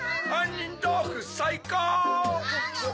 にんどうふさいこう！